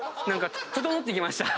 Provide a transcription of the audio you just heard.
整ってきました。